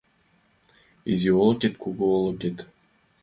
Изи олыкет, кугу олыкет